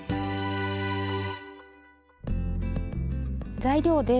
材料です。